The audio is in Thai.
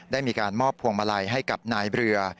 ได้มีการมอบพวงมาลัยให้กับนายเรือ